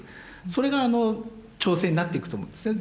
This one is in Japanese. それが調整になっていくと思うんですね。